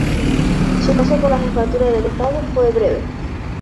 Su paso por la jefatura del Estado fue breve.